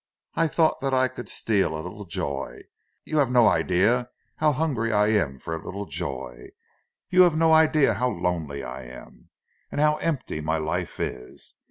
I thought that I could steal a little joy—you have no idea how hungry I am for a little joy! You have no idea how lonely I am! And how empty my life is!